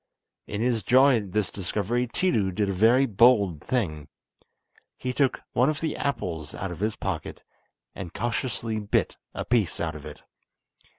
In his joy at this discovery Tiidu did a very bold thing. He took one of the apples out of his pocket, and cautiously bit a piece out of it.